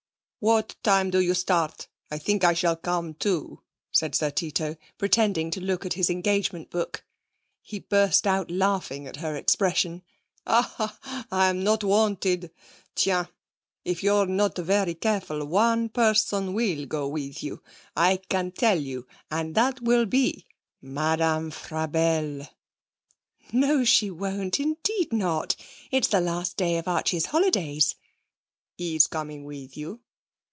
'What time do you start? I think I shall come too,' said Sir Tito, pretending to look at his engagement book. He burst out laughing at her expression. 'Ah, I'm not wanted! Tiens! If you're not very careful one person will go with you, I can tell you. And that will be Madame Frabelle.' 'No, she won't. Indeed not! It's the last day of Archie's holidays.' 'He's coming with you?'